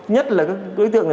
nhất là các đối tượng